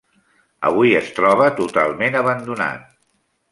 Avui es troba totalment abandonat.